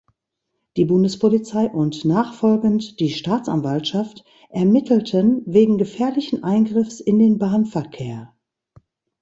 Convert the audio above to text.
Die Bundespolizei und nachfolgend die Staatsanwaltschaft ermittelten wegen gefährlichen Eingriffs in den Bahnverkehr.